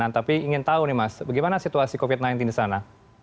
tapi ingin tahu nih mas bagaimana situasi covid sembilan belas di sana